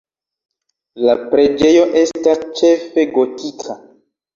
La preĝejo estas ĉefe gotika.